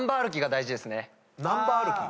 「ナンバ歩き」？